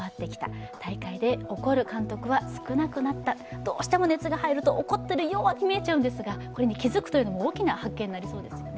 どうしても熱が入ると怒っているように見えてしまうんですがこれに気づくというのも大きな発見になりそうですね。